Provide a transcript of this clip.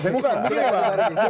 bukan begini bang